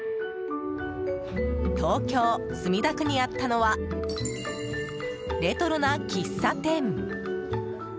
東京・墨田区にあったのはレトロな喫茶店。